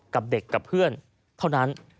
กับเด็กกับเพื่อนเท่านั้น